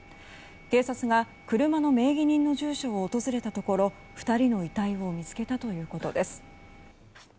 警察が、車の名義人の住所を訪れたところ２人の遺体を見つけたということです。